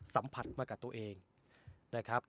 สัมผัสมากับตัวเองนะครับ